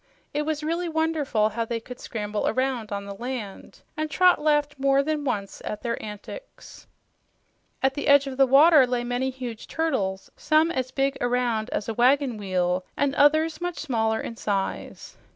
It was really wonderful how they could scramble around on the land, and Trot laughed more than once at their antics. At the edge of the water lay many huge turtles, some as big around as a wagon wheel and others much smaller in size.